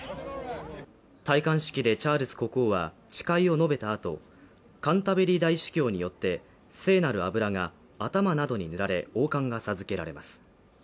戴冠式でチャールズ国王は誓いを述べた後、カンタベリー大主教によって聖なる油が頭などに塗られ、王冠が授けられます。